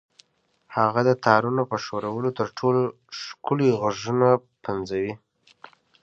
هغه د تارونو په ښورولو تر ټولو ښکلي غږونه پنځوي